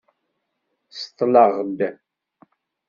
Seṭṭleɣ-d.